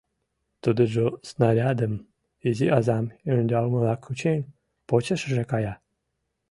Тудыжо, снарядым изи азам ӧндалмыла кучен, почешыже кая.